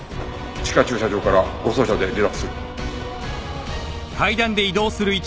地下駐車場から護送車で離脱する。